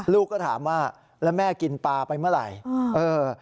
ลูกก็ถามว่าแล้วแม่กินปลาไปเมื่อไหร่